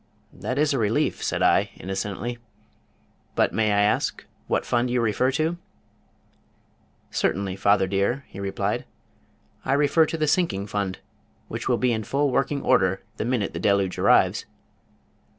"That is a relief," said I, innocently. "But may I ask what fund you refer to?" "Certainly, father dear," he replied. "I refer to the Sinking Fund which will be in full working order the minute the deluge arrives."